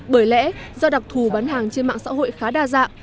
bởi lẽ do đặc thù bán hàng trên mạng xã hội khá đa dạng